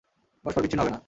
পরস্পর বিচ্ছিন্ন হবে না।